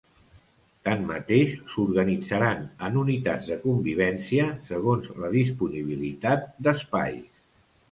Tanmateix s’organitzaran en unitats de convivència segons la disponibilitat d’espais.